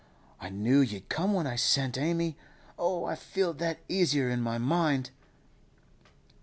I knew you'd come when I sent Amy. Oh, I feel that easier in my mind!